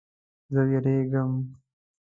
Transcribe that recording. زه ویریږم